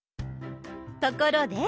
ところで！